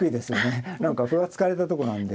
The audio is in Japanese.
何か歩が突かれたとこなんで。